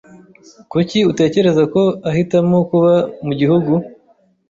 Kuki utekereza ko ahitamo kuba mu gihugu?